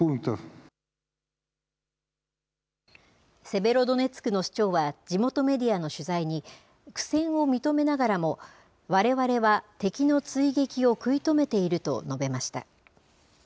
セベロドネツクの市長は地元メディアの取材に、苦戦を認めながらも、われわれは敵の追撃を食い止めていると述べました。